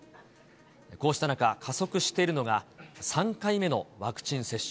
こうした中、加速しているのが、３回目のワクチン接種。